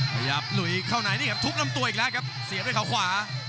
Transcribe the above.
ขยับหลุยเข้าในนี่ครับทุบลำตัวอีกแล้วครับเสียบด้วยเขาขวา